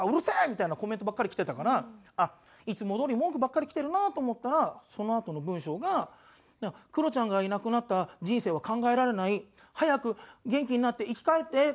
みたいなコメントばっかりきてたからいつもどおり文句ばっかりきてるなと思ったらそのあとの文章が「クロちゃんがいなくなった人生は考えられない」「早く元気になって生き返って！」